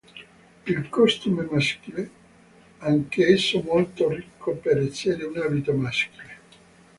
Il "costume maschile" anch'esso molto ricco per essere un abito maschile.